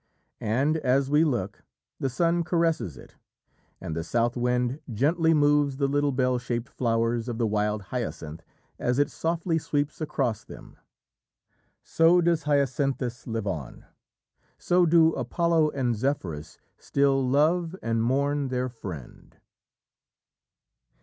And, as we look, the sun caresses it, and the South Wind gently moves the little bell shaped flowers of the wild hyacinth as it softly sweeps across them. So does Hyacinthus live on; so do Apollo and Zephyrus still love and mourn their friend.